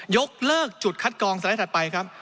ยกเลิกจุดคัดกรองสักหน้าที่ถัดไปครับ